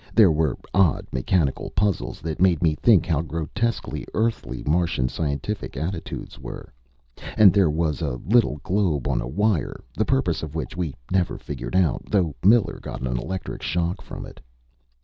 There were odd mechanical puzzles that made me think how grotesquely Earthly Martian scientific attitudes were. And there was s little globe on a wire, the purpose of which we never figured out, though Miller got an electric shock from it.